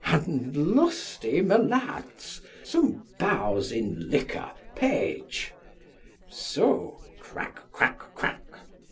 And lusty, my lads. Some bousing liquor, page! So! crack, crack, crack.